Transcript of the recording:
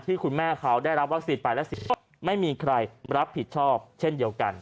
คุณแม่เขาได้รับวัคซีนไปแล้วไม่มีใครรับผิดชอบเช่นเดียวกัน